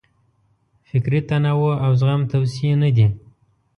فکري تنوع او زغم توصیې نه دي.